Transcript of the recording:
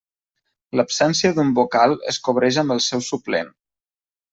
L'absència d'un vocal es cobreix amb el seu suplent.